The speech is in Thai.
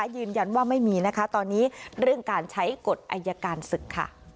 ยืนยันว่าไม่มีนะคะตอนนี้เรื่องการใช้กฎอายการศึกค่ะ